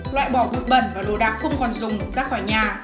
loại bỏ bụi bẩn và đồ đạc không còn dùng ra khỏi nhà